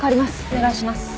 お願いします。